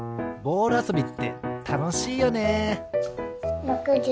ボールあそびってたのしいよね。